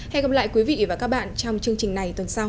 hẹn gặp lại quý vị và các bạn trong chương trình này tuần sau